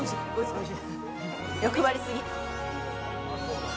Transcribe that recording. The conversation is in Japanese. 欲張りすぎ。